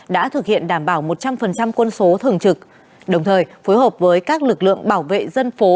đã thực hiện đảm bảo một trăm linh quân số thường trực đồng thời phối hợp với các lực lượng bảo vệ dân phố